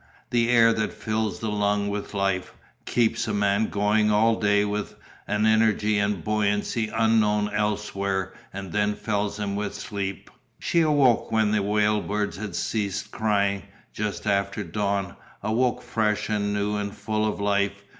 The air that fills the lungs with life, keeps a man going all day with an energy and buoyancy unknown elsewhere and then fells him with sleep. She awoke when the whale birds had ceased crying, just after dawn, awoke fresh and new and full of life.